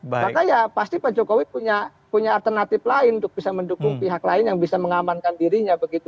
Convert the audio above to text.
maka ya pasti pak jokowi punya alternatif lain untuk bisa mendukung pihak lain yang bisa mengamankan dirinya begitu